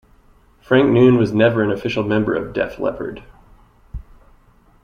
Frank Noon was never an official member of Def Leppard.